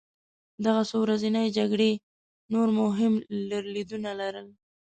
دغه څو ورځنۍ جګړې نور مهم لرلېدونه لرل.